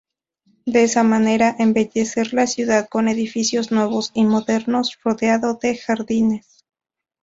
De esa manera, embellecer la ciudad con edificios nuevos y modernos, rodeado de jardines.